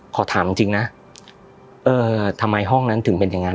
ขอถามจริงนะเออทำไมห้องนั้นถึงเป็นอย่างนั้น